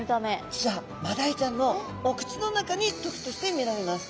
実はマダイちゃんのお口の中に時として見られます。